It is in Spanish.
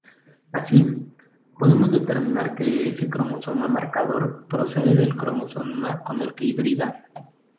Así, podemos determinar que ese cromosoma marcador procede del cromosoma con el que hibrida.